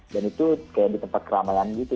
dan itu kayak di tempat keramaian gitu